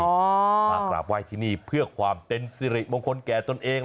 มากราบไหว้ที่นี่เพื่อความเป็นสิริมงคลแก่ตนเอง